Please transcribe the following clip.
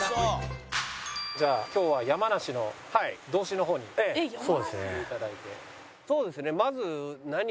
じゃあ今日は山梨の道志の方に来て頂いて。